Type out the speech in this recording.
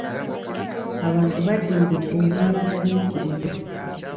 Abantu bajjumbidde ennima entabiikirize.